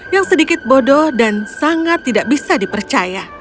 yang sedikit bodoh dan sangat tidak bisa dipercaya